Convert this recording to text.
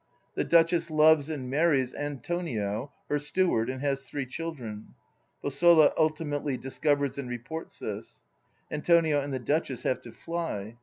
The Duchess loves and marries Antonio, her steward, and has three children. Bosola ultimately discovers and reports this. Antonio and the Duchess have to fly.